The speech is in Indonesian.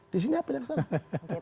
di sini apa yang salah